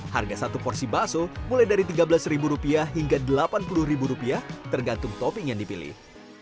harga satu porsi bakso mulai dari rp tiga belas hingga rp delapan puluh tergantung topping yang dipilih